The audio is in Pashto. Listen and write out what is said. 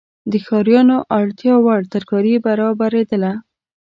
د ښاریانو اړتیاوړ ترکاري برابریدله.